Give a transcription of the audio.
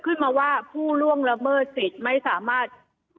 ขึ้นมาว่าผู้ล่วงละเมิดสิทธิ์ไม่สามารถ